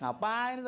ngapain lu kursi